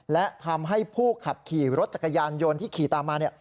และทำให้ผู้ขับขี่รถจักรยานยนต์ที่ขี่ตามมา